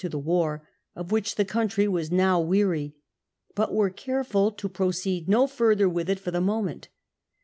to the war, of which the country was now weary, but were careful to proceed no further with it for the moment.